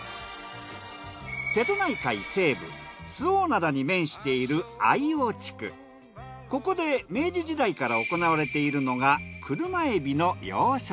瀬戸内海西部周防灘に面しているここで明治時代から行われているのが。